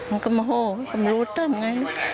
น้องก็มาโห้เป็นรู้กันไง